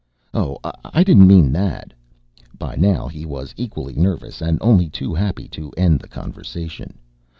"Oh, I didn't mean that!" By now he was equally nervous and only too happy to end the conversation.